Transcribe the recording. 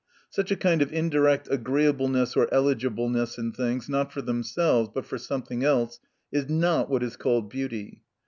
Such a kind of indirect agreeableness or eligibleness in things, not for themselves, but for something else, is not what is called beauty.